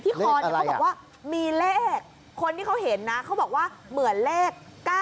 คอเนี่ยเขาบอกว่ามีเลขคนที่เขาเห็นนะเขาบอกว่าเหมือนเลข๙๙